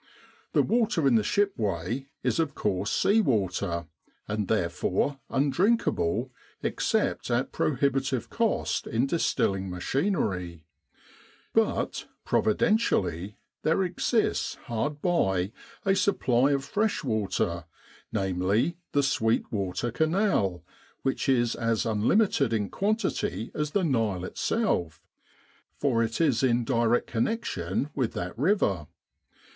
The water in the shipway is of course sea water and therefore undrinkable except at prohibitive cost in distilling machinery. But, 152 Camp Sanitation providentially, there exists hard by a supply of fresh water, namely the Sweet Water Canal, which is as unlimited in quantity as the Nile itself, for it is in direct connection with that river.